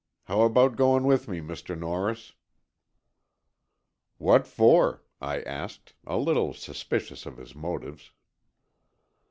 How about going with me, Mr. Norris?" "What for?" I asked, a little suspicious of his motives.